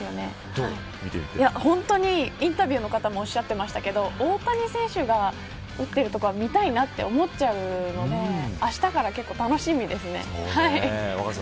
どう見てインタビューの方もおっしゃってましたけど大谷選手が打っているところは見たいなと思っちゃうのであしたから客を楽しみですね。